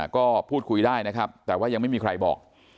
ก็พูดคุยได้นะครับแต่ว่ายังไม่มีใครบอก